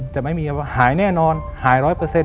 จะไม่มีคำว่าหายแน่นอนหาย๑๐๐